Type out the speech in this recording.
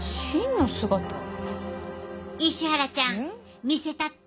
石原ちゃん見せたって！